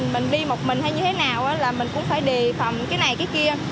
mình đi một mình hay như thế nào là mình cũng phải đề phòng cái này cái kia